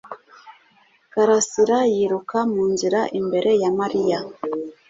Karasira yiruka mu nzira imbere ya Mariya